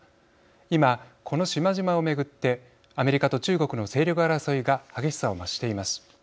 今、この島々を巡ってアメリカと中国の勢力争いが激しさを増しています。